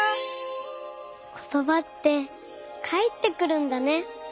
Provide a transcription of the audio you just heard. ことばってかえってくるんだね。